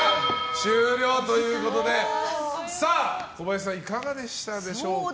終了ということで小林さんいかがでしたでしょうか。